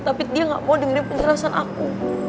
tapi dia gak mau dengerin penjelasan aku